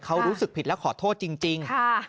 เขารู้สึกผิดและขอโทษจริง